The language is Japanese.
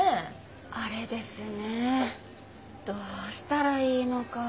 あれですねぇどうしたらいいのか。